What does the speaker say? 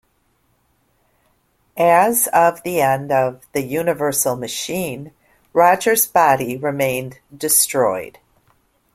As of the end of "The Universal Machine", Roger's body remained destroyed.